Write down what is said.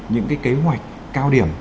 những kế hoạch cao điểm